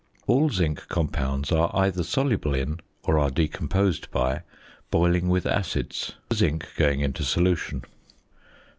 All zinc compounds are either soluble in, or are decomposed by, boiling with acids, the zinc going into solution.